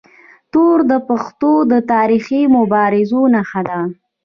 توره د پښتنو د تاریخي مبارزو نښه ده.